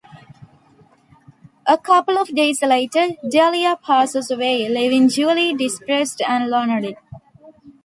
A couple of days later, Delia passes away, leaving Julie depressed and lonely.